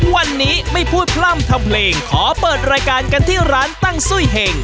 วันนี้ไม่พูดพร่ำทำเพลงขอเปิดรายการกันที่ร้านตั้งซุ้ยเห็ง